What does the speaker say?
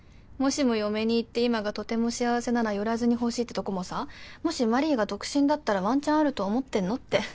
「もしも嫁に行って今がとてもしあわせなら寄らずにほしい」ってとこもさもしマリーが独身だったらワンチャンあると思ってんのって。